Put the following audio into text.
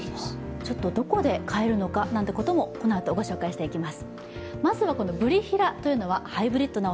ちょっとどこで買えるのかなんてこともこのあとご紹介していきます。